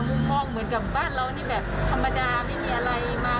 มุมมองเหมือนกับบ้านเรานี่แบบธรรมดาไม่มีอะไรมา